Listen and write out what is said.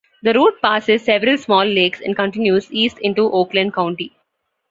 The route passes several small lakes and continues east into Oakland County.